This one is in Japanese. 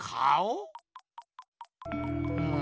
うん。